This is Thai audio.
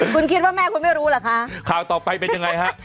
คุณคิดว่าแม่คุณไม่รู้เหรอคะข่าวต่อไปเป็นยังไงฮะ